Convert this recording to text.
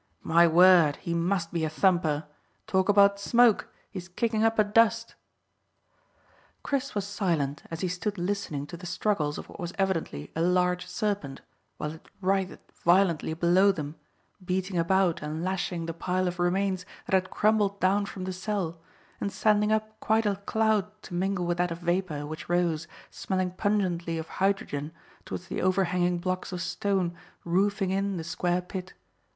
"My word, he must be a thumper! Talk about smoke, he is kicking up a dust." Chris was silent as he stood listening to the struggles of what was evidently a large serpent, while it writhed violently below them, beating about and lashing the pile of remains that had crumbled down from the cell, and sending up quite a cloud to mingle with that of vapour which rose, smelling pungently of hydrogen, towards the overhanging blocks of stone roofing in the square pit.